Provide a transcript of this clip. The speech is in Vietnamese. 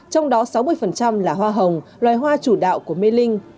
trong đó sáu mươi là hoa hồng loài hoa chủ đạo của mê linh